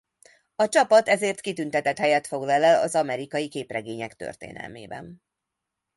A csapat ezért kitüntetett helyet foglal el az amerikai képregények történelmében.